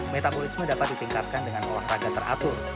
metabolisme dapat ditingkatkan dengan olahraga teratur